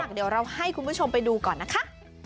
เดี๋ยวเราให้คุณผู้ชมไปดูก่อนนะคะ